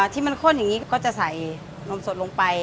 ที่มันข้นอย่างนี้ก็จะใส่นมสดลงไป